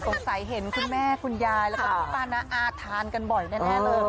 สงสัยเห็นคุณแม่คุณยายแล้วกับปูปลาร้าอาทานกันบ่อยแน่เลย